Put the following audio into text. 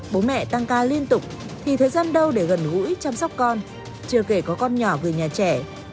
bố mẹ tăng ca liên tục thì thời gian đâu để gần gũi chăm sóc con chưa kể có con nhỏ về nhà trẻ